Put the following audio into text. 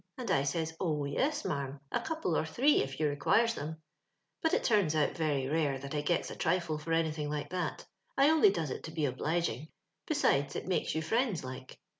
and I says, < Oh yes, marm ; a couple, or three, if you requires them;' but it turns out veiy rare that I gets a trifle for aD}thing like that I only does it to be obliging — besides, it makes you friends, like.